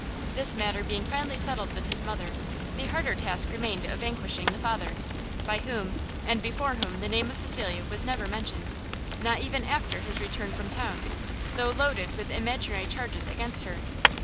This matter being finally settled with his mother, the harder task remained of vanquishing the father, by whom, and before whom the name of Cecilia was never mentioned, not even after his return from town, though loaded with imaginary charges against her.